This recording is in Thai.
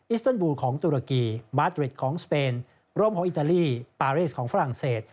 สเติลบูลของตุรกีมาร์ดริดของสเปนรมของอิตาลีปารีสของฝรั่งเศส